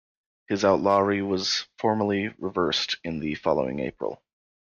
His outlawry was formally reversed in the following April.